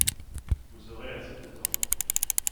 Vous aurez assez de temps.